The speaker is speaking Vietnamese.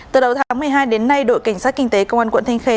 từ đầu tháng một mươi hai đến nay đội cảnh sát kinh tế công an quận thanh khê